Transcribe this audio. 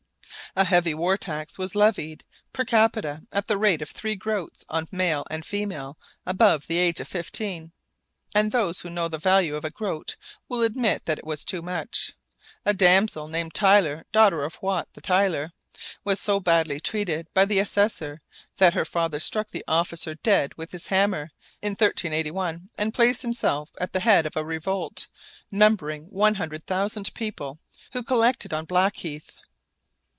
A heavy war tax was levied per capita at the rate of three groats on male and female above the age of fifteen, and those who know the value of a groat will admit that it was too much. A damsel named Tyler, daughter of Wat the Tyler, was so badly treated by the assessor that her father struck the officer dead with his hammer, in 1381, and placed himself at the head of a revolt, numbering one hundred thousand people, who collected on Blackheath.